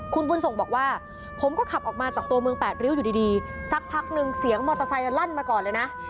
คุณบุญส่งบอกว่าผมก็ขับออกมาจากตัวเมืองแปดริ้วอยู่ดีสักพักนึงเสียงมอเตอร์ไซค์ลั่นมาก่อนเลยนะ